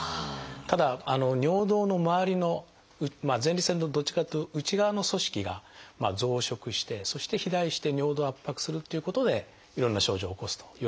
ただ尿道のまわりの前立腺のどっちかっていうと内側の組織が増殖してそして肥大して尿道を圧迫するっていうことでいろんな症状を起こすといわれています。